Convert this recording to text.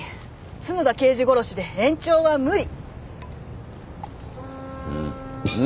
角田刑事殺しで延長は無理。